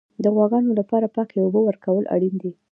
د غواګانو لپاره پاکې اوبه ورکول اړین دي.